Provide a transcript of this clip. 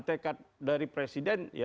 tekat dari presiden